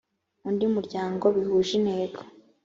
undi muryango bihuje intego